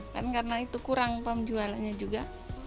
kan karena itu kurang pemjualannya juga